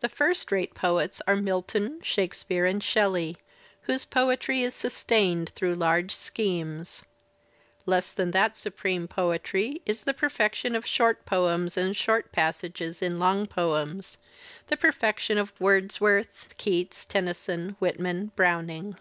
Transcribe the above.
The first rate poets are Milton, Shakespeare, and Shelley whose poetry is sustained through large schemes. Less than that supreme poetry is the perfection of short poems and short passages in long poems, the perfection of Wordsworth, Keats, Tenny son, Whitman, Browning.